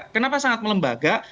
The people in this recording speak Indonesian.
kenapa sangat melembaga